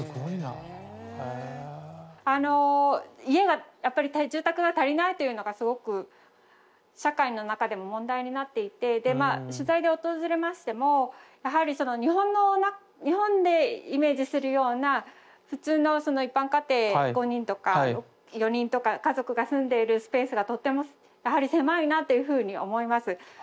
家がやっぱり住宅が足りないというのがすごく社会の中でも問題になっていてでまあ取材で訪れましてもやはり日本でイメージするような普通の一般家庭５人とか４人とか家族が住んでいるスペースがとってもやはり狭いなというふうに思います。